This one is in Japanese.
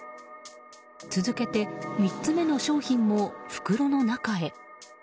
続けて３つ目の商品も袋の中へ。